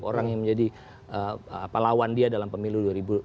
orang yang menjadi pelawan dia dalam pemilu